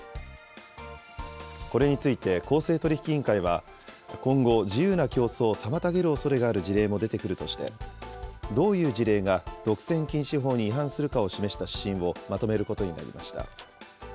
これについて公正取引委員会は、今後、自由な競争を妨げるおそれがある事例も出てくるとして、どういう事例が独占禁止法に違反するかを示した指針をまとめることになりました。